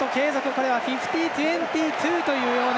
これは５０：２２というような。